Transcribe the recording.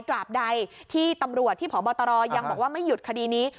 ตราบใดที่ตำรวจที่พบตรยังบอกว่าไม่หยุดคดีนี้